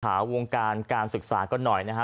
วงการการศึกษากันหน่อยนะฮะ